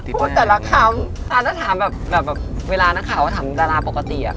ถ้าจะถามแบบเวลานักข่าวถามดาราปกติ